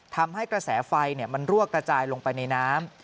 ทำให้กระแสไฟมันรั่วกระจายลงไปในน้ำ